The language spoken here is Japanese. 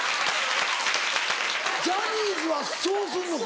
ジャニーズはそうすんのか。